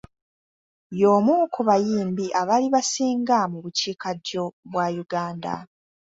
Y'omu ku bayimbi abaali basinga mu bukiikaddyo bwa Uganda.